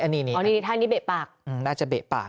อันนี้นี่อ๋อนี่นี่ท่านนี่เป๊ะปากอืมน่าจะเป๊๊บปาก